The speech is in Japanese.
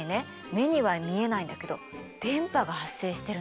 目には見えないんだけど電波が発生してるの。